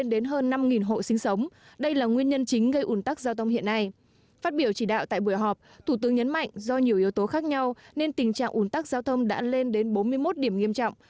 nhấn mạnh do nhiều yếu tố khác nhau nên tình trạng ủn tắc giao thông đã lên đến bốn mươi một điểm nghiêm trọng